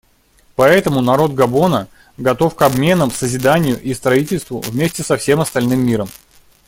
Поэтому народ Габона готов к обменам, созиданию и строительству вместе со всем остальным миром.